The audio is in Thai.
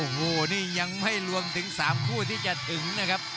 โอ้โหนี่ยังไม่รวมถึง๓คู่ที่จะถึงนะครับ